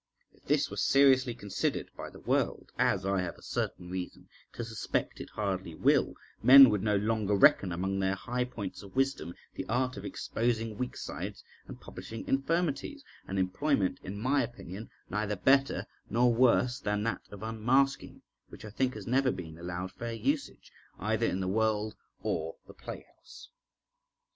If this were seriously considered by the world, as I have a certain reason to suspect it hardly will, men would no longer reckon among their high points of wisdom the art of exposing weak sides and publishing infirmities—an employment, in my opinion, neither better nor worse than that of unmasking, which, I think, has never been allowed fair usage, either in the world or the playhouse.